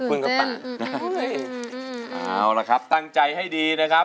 เอาล่ะครับตั้งใจให้ดีนะครับ